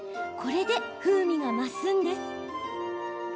これで風味が増すんです。